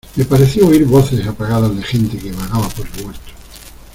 me pareció oír voces apagadas de gente que vagaba por el huerto.